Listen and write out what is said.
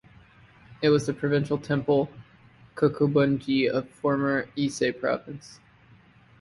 It was the provincial temple ("kokubunji") of former Ise Province.